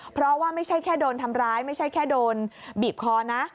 เพราะว่าไม่ใช่แค่โดนทำร้ายไม่ใช่แค่โดนบีบคอนะ